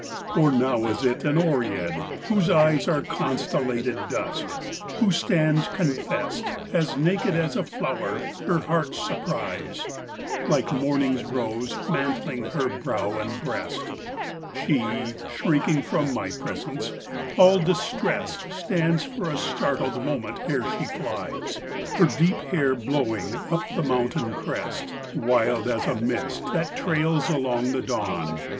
III Or now it is an Oread whose eyes Are constellated dusk who stands confessed, As naked as a flow'r; her heart's surprise, Like morning's rose, mantling her brow and breast: She, shrinking from my presence, all distressed Stands for a startled moment ere she flies, Her deep hair blowing, up the mountain crest, Wild as a mist that trails along the dawn.